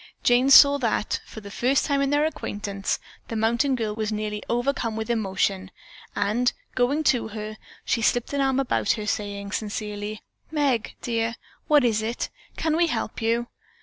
Jane saw that, for the first time in their acquaintance, the mountain girl was nearly overcome with emotion, and going to her, she slipped an arm about her, saying sincerely, "Meg, dear, what is it? Can we help you?"